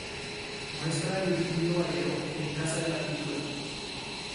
Muestra de Virgilio Valero en Casa de la Cultura